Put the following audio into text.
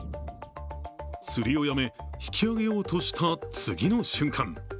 釣りをやめ、引き上げようとした次の瞬間。